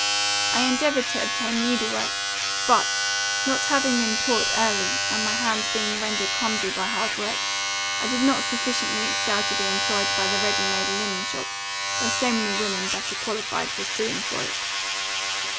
I endeavoured to obtain needlework; but, not having been taught early, and my hands being rendered clumsy by hard work, I did not sufficiently excel to be employed by the ready made linen shops, when so many women, better qualified, were suing for it.